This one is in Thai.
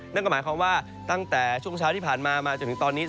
นั่นก็หมายความว่าตั้งแต่ช่วงเช้าที่ผ่านมามาจนถึงตอนนี้